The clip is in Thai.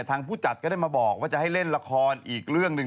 ผู้จัดก็ได้มาบอกว่าจะให้เล่นละครอีกเรื่องหนึ่ง